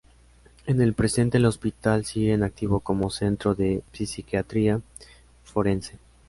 En el presente el hospital sigue en activo como Centro de Psiquiatría Forense.